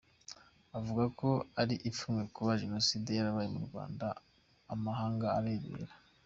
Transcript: Avuga ko ari ipfunwe kuba Jenoside yarabaye mu Rwanda amahanga arebera.